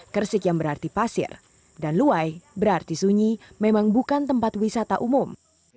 kersik yang berarti pasir dan luwai berarti sunyi memang bukan tempat wisata umum